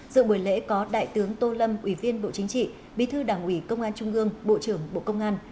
dự buổi lễ có đại tướng tô lâm ủy viên bộ chính trị bí thư đảng ủy công an trung ương bộ trưởng bộ công an